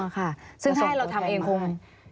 อ๋อค่ะซึ่งถ้าให้เราทำเองคง